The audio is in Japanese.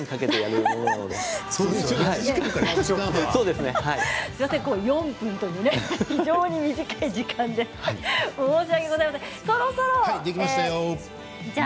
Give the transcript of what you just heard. すいません４分という非常に短い時間で申し訳ございません。